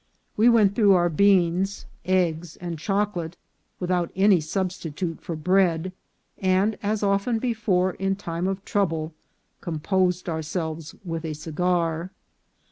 We went through our beans, eggs, and chocolate without any substitute for bread, and, as often before in time of trouble, composed ourselves with a cigar.